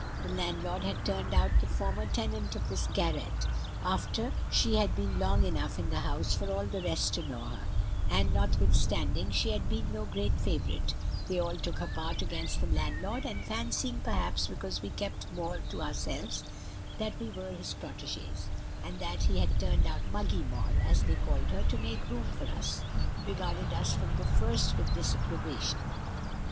The landlord had turned out the former tenant of this garret after she had been long enough in the house for all the rest to know her; and, notwithstanding she had been no great favorite, they all took her part against the landlord; and fancying, perhaps because we kept more to ourselves, that we were his protégées, and that he had turned out Muggy Moll, as they called her, to make room for us, regarded us from the first with disapprobation.